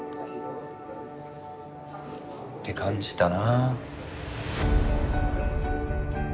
って感じたな。